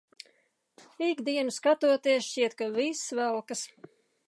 Ik dienu skatoties, šķiet ka viss velkas.